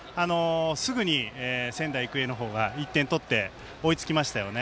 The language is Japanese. すぐに仙台育英の方が１点取って、追いつきましたよね。